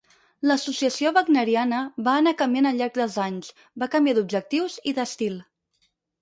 L’Associació Wagneriana va anar canviant al llarg dels anys; va canviar d’objectius i d’estil.